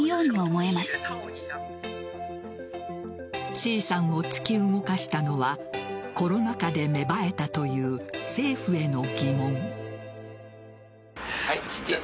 Ｃさんを突き動かしたのはコロナ禍で芽生えたという政府への疑問。